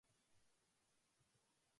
おいしい給食